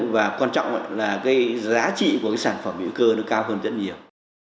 và quan trọng là giá trị của sản phẩm nữ cơ cao hơn rất nhiều